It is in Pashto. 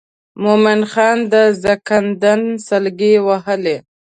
مومن خان د زکندن سګلې وهي.